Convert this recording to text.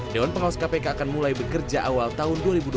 dewan pengawas kpk akan mulai bekerja awal tahun dua ribu dua puluh